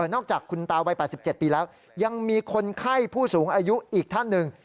จากคุณตาวัย๘๗ปีแล้วยังมีคนไข้ผู้สูงอายุอีกท่านหนึ่ง